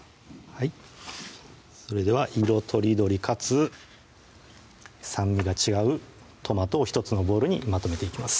それでは色とりどりかつ酸味が違うトマトを１つのボウルにまとめていきます